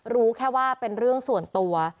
รู้แค่ว่าเป็นเรื่องส่วนตัว